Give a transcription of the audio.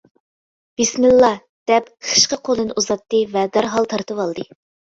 بىسمىللا، دەپ خىشقا قولىنى ئۇزاتتى ۋە دەرھال تارتىۋالدى.